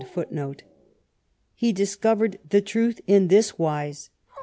f He discovered the truth in this wise.